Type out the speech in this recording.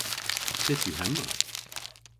Pyth yw hemma?